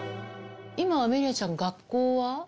今、アメリアちゃん、学校は？